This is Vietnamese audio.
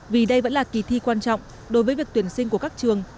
vì đây vẫn là kỳ thi quan trọng đối với việc tuyển sinh của các trường